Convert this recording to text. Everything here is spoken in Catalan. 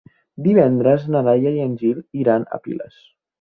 Divendres na Laia i en Gil iran a Piles.